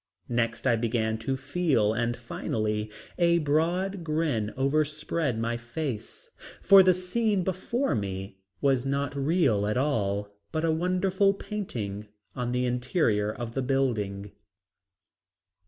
Next I began to feel and finally a broad grin overspread my face, for the scene before me was not real after all, but a wonderful painting on the interior of the building.